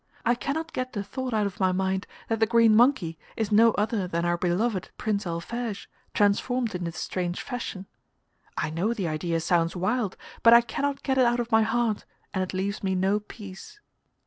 I cannot get the thought out of my mind that the green monkey is no other than our beloved Prince Alphege, transformed in this strange fashion. I know the idea sounds wild, but I cannot get it out of my heart, and it leaves me no peace.